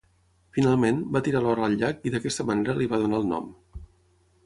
Finalment, va tirar l'or al llac i d'aquesta manera li va donar el nom.